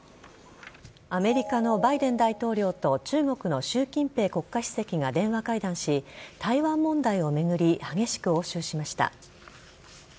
アメリカのバイデン大統領と中国の習近平国家主席が電話会談し台湾問題を巡り激しく応酬しました。